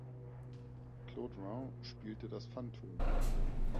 Claude Rains spielte das Phantom.